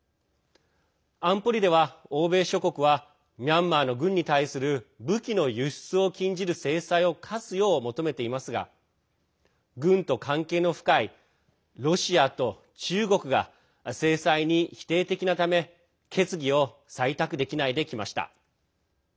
安保理では、欧米諸国はミャンマーの軍に対する武器の輸出を禁じる制裁を科すよう求めていますが軍と関係の深いロシアと中国が制裁に否定的なため決議を採択できないできました。